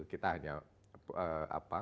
kita hanya memproduksi di sini